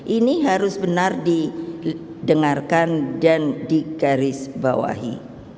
ini harus benar didengarkan dan digarisbawahi